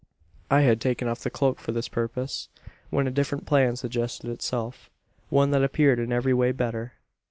"I had taken off the cloak for this purpose; when a different plan suggested itself one that appeared in every way better.